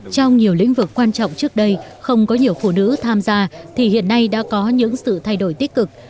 trong nhiều lĩnh vực quan trọng trước đây không có nhiều phụ nữ tham gia thì hiện nay đã có những sự thay đổi tích cực